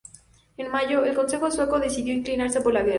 En mayo, El Consejo sueco decidió inclinarse por la guerra.